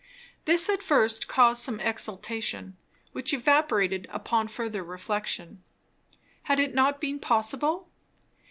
This at first caused some exultation, which evaporated upon further reflection. Had it not been possible?